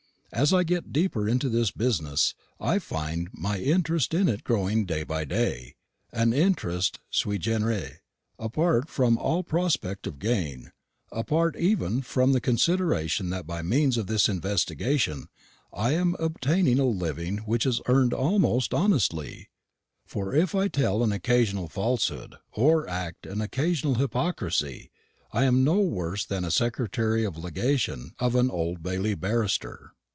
As I get deeper into this business I find my interest in it growing day by day an interest sui generis, apart from all prospect of gain apart even from the consideration that by means of this investigation I am obtaining a living which is earned almost honestly; for if I tell an occasional falsehood or act an occasional hypocrisy, I am no worse than a secretary of legation of an Old Bailey barrister.